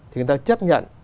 thì người ta chấp nhận